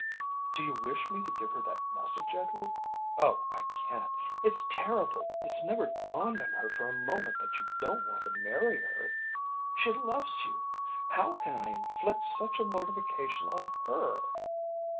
"Do you wish me to give her that message, Edward? Oh, I can't. It's terrible. It's never dawned on her for a moment that you don't want to marry her. She loves you. How can I inflict such a mortification on her?"